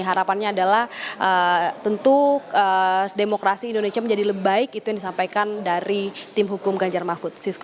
harapannya adalah tentu demokrasi indonesia menjadi lebih baik itu yang disampaikan dari tim hukum ganjar mahfud